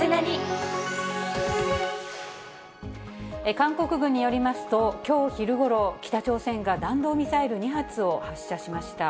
韓国軍によりますと、きょう昼ごろ、北朝鮮が弾道ミサイル２発を発射しました。